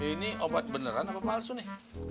ini obat beneran apa palsu nih